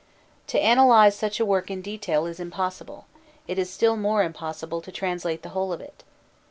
To analyse such a work in detail is impossible: it is still more impossible to translate the whole of it.